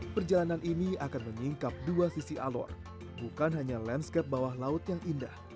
perjalanan ini akan menyingkap dua sisi alor bukan hanya landscape bawah laut yang indah